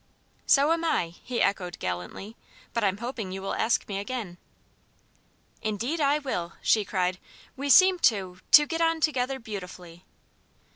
"So am I," he echoed gallantly, "but I'm hoping you will ask me again." "Indeed I will!" she cried. "We seem to to get on together beautifully."